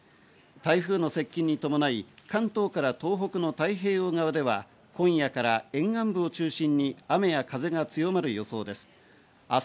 台風の接近に伴い、関東から東北の太平洋側では、今夜から沿岸部を中心に雨や風が強まる予想です。